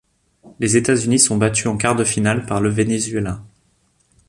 Les États-Unis sont battus en quart de finale par le Venezuela.